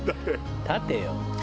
立てよ」